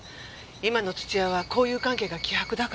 今の土屋は交友関係が希薄だから。